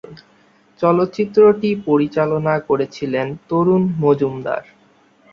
চলচ্চিত্রটি পরিচালনা করেছিলেন তরুণ মজুমদার।